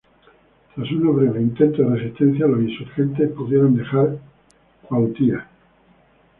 Tras unos breves intentos de resistencia, los insurgentes pudieron dejar Cuautla.